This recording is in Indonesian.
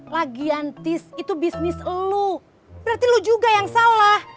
lagian tis itu bisnis lo berarti lu juga yang salah